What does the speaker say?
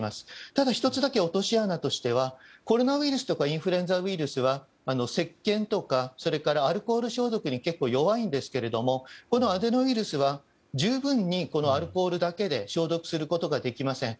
ただ、１つだけ落とし穴としてはコロナウイルスとかインフルエンザウイルスは石鹸とかそれからアルコール消毒に結構弱いんですけどもアデノウイルスは十分にアルコールだけで消毒することができません。